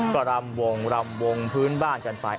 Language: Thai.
กระลำวงพื้นบ้านกันไป